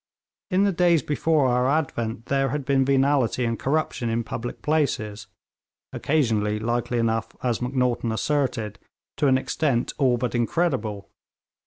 In the days before our advent there had been venality and corruption in public places occasionally, likely enough, as Macnaghten asserted, to an extent all but incredible.